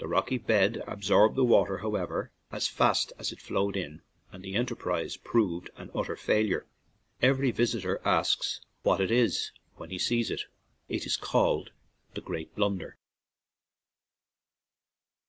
The rocky bed absorbed the water, however, as fast as it flowed in, and the enterprise proved an utter failure. Every visitor asks what it is when he sees it. It is called "The Great Blunder."